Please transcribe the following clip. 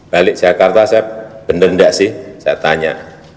balik jakarta saya benar enggak sih saya tanya